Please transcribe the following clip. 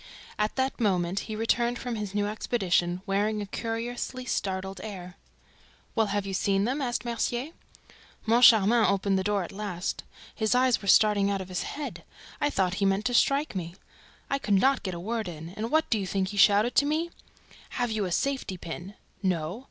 At that moment he returned from his new expedition, wearing a curiously startled air. "Well, have you seen them?" asked Mercier. "Moncharmin opened the door at last. His eyes were starting out of his head. I thought he meant to strike me. I could not get a word in; and what do you think he shouted at me? 'Have you a safety pin?' 'No!'